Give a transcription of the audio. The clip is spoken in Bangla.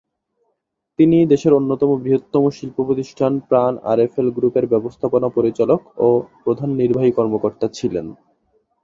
তিনি দেশের অন্যতম বৃহত্তম শিল্প প্রতিষ্ঠান প্রাণ-আরএফএল গ্রুপের ব্যবস্থাপনা পরিচালক ও প্রধান নির্বাহী কর্মকর্তা ছিলেন।